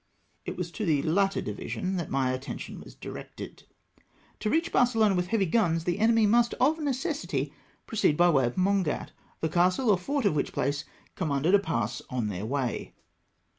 It was to the latter division that my attention was dii^ected. To reach Barcelona with heavy guns, the enemy must of necessity proceed by way of Mongat, the castle or fort of which place commanded a pass on CONTEST AT MONGAT. 263 their way.